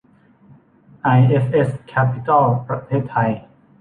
ไอเอฟเอส แคปปิตอล ประเทศไทย